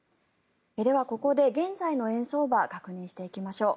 では、ここで現在の円相場を確認していきましょう。